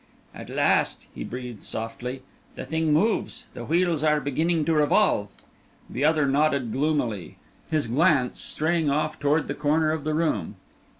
"At last!" he breathed, softly. "The thing moves. The wheels are beginning to revolve!" The other nodded gloomily, his glance straying off toward the corner of the room.